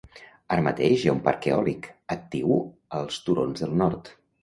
Ara mateix hi ha un parc eòlic actiu als turons del nord.